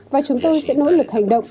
và chúng tôi sẽ nỗ lực hành động